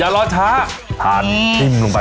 แล้วไปกินหน่อยนิดหนึ่งเลย